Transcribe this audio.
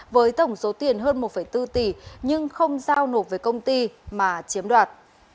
với tổng số tiền hơn một bốn tỷ nhưng không giao nộp với công ty mà chiếm đoạt